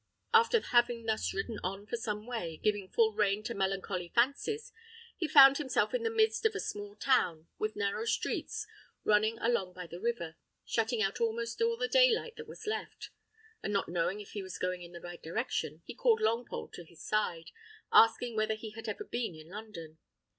After having thus ridden on for some way, giving full rein to melancholy fancies, he found himself in the midst of a small town, with narrow streets, running along by the river, shutting out almost all the daylight that was left; and not knowing if he was going in the right direction, he called Longpole to his side, asking whether he had ever been in London.